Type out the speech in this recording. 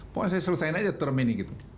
pokoknya saya selesaikan aja term ini gitu